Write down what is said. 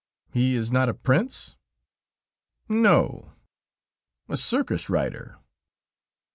"He is not a prince?" "No; a circus rider."